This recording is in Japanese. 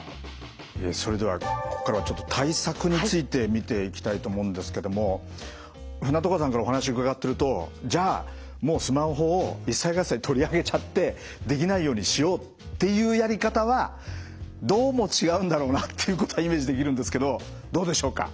それではここからは対策について見ていきたいと思うんですけども船渡川さんからお話を伺っているとじゃあもうスマホを一切合財取りあげちゃってできないようにしようっていうやり方はどうも違うんだろうなっていうことはイメージできるんですけどどうでしょうか？